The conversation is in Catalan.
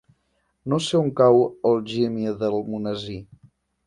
No sé on cau Algímia d'Almonesir.